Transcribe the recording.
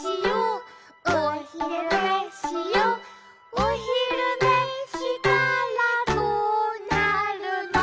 「おひるねしたらどなるの？」